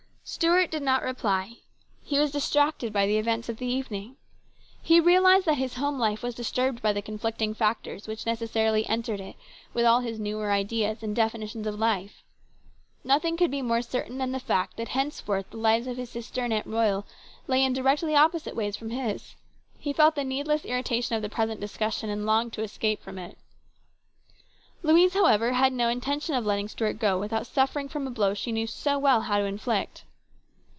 Stuart did not reply. He was distracted by the events of the evening. He realised that his home life was disturbed by the conflicting factors which necessarily entered it with all his newer ideas and definitions of life. Nothing could be more certain than the fact that henceforth the lives of his sister and Aunt Royal lay in directly opposite ways from his. He felt the needless irritation of the present discussion, and longed to escape from it. Louise, however, had no intention of letting Stuart go without suffering from a blow she knew so well how to inflict.